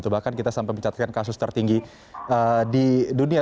bahkan kita sampai mencatatkan kasus tertinggi di dunia